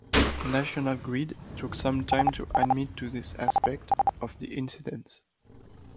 National Grid took some time to admit to these aspects of the incident.